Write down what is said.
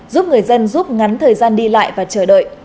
giúp người dân rút ngắn thời gian đi lại và chờ đợi